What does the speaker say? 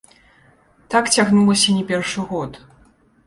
Так цягнулася не першы год.